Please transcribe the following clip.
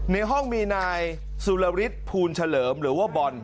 ในห้องมีนายสุรฤทธิ์ภูลเฉลิมหรือว่าบอล